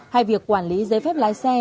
hay việc quản lý giấy phép lái xe